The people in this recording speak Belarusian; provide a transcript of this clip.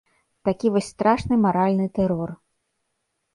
Такі вось страшны маральны тэрор.